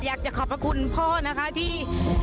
ขอบพระคุณพ่อนะคะที่